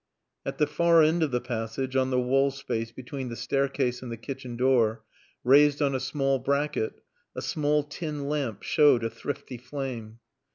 At the far end of the passage, on the wall space between the staircase and the kitchen door, raised on a small bracket, a small tin lamp showed a thrifty flame.